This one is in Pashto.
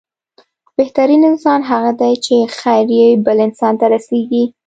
بهترين انسان هغه دی چې، خير يې بل انسان ته رسيږي.